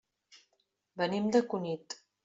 Venim de Cunit.